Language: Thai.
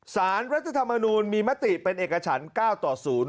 สารรัฐธรรมนูลมีมติเป็นเอกฉัน๙ต่อ๐